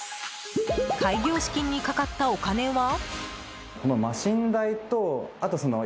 開業資金にかかったお金は？